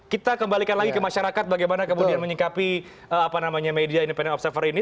kita kembalikan lagi ke masyarakat bagaimana kemudian menyikapi media independent observer ini